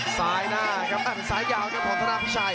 ซ้ายหน้าซ้ายยาวจำภรรณากับพี่ชัย